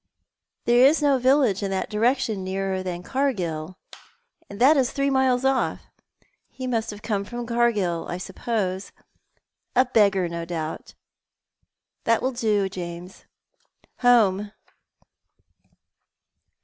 "Tliero is no village in that direction nearer than Cargill, A Letter fro7it the Dead. 3 and that is three miles off. He must have come from Cargill, I suppose. A beggar, no doubt. That will do, James. Home."